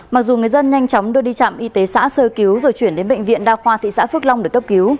mặc dù người dân nhanh chóng đưa đi trạm y tế xã sơ cứu rồi chuyển đến bệnh viện đa khoa thị xã phước long để cấp cứu